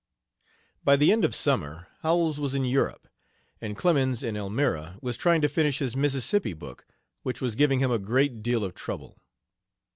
By the end of summer Howells was in Europe, and Clemens, in Elmira, was trying to finish his Mississippi book, which was giving him a great deal of trouble.